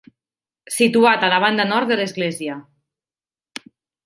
Situat a la banda nord de l'església.